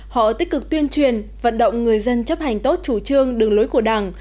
họ tích cực tuyên truyền vận động người dân chấp hành tốt chủ trương đường lối của đảng